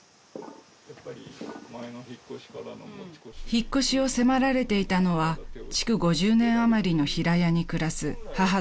［引っ越しを迫られていたのは築５０年余りの平屋に暮らす母と息子］